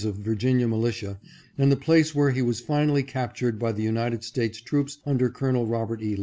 of Virginia Militia, and the place where he was finally captured by the United States troops under Col. Robert E.